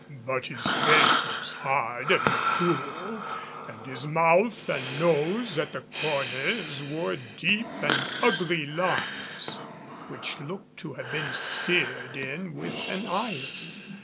But his face was hard and cruel, and his mouth and nose at the corners wore deep and ugly lines which looked to have been seared in with an iron.